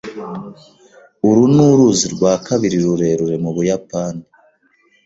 Uru ni uruzi rwa kabiri rurerure mu Buyapani.